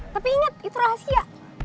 tapi inget itu rahasia